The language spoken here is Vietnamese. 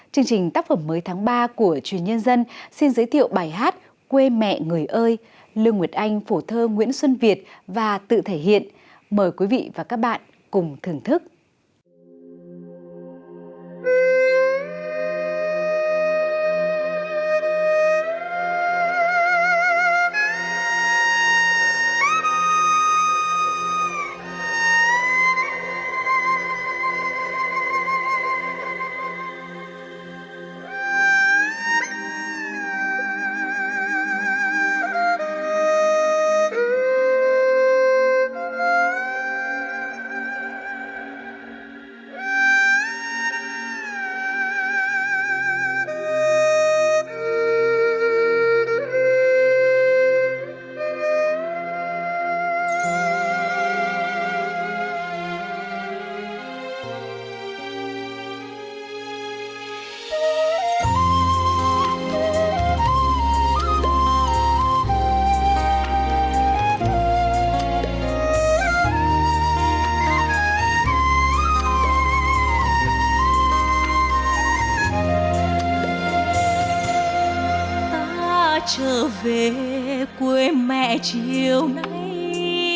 chương trình tác phẩm anh yêu em sẽ thể hiện thành công tác phẩm anh yêu em sẽ thể hiện thành công tác phẩm anh yêu em